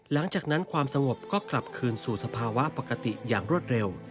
หลังจากนั้นความสงบก็กลับคืนสู่สภาวะปกติอย่างรวดเร็ว